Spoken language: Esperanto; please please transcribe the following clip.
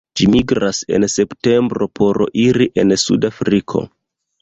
Ĝi migras en septembro por iri en Sudafriko.